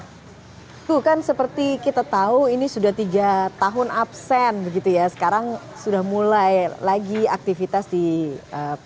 aku kan seperti kita tahu ini sudah tiga tahun absen begitu ya sekarang sudah mulai lagi aktivitas di jepang